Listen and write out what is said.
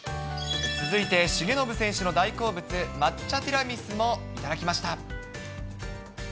続いて、重信選手の大好物、抹茶ティラミスも頂きました。